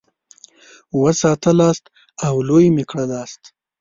وساتلاست او لوی مي کړلاست.